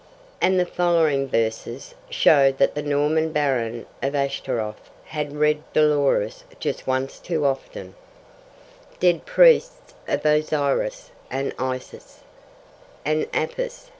And the following verses show that the Norman Baron of Ashtaroth had read Dolores just once too often: Dead priests of Osiris, and Isis, And Apis!